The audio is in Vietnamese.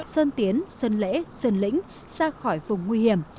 sơn tiến sơn lễ sơn lĩnh ra khỏi vùng nguy hiểm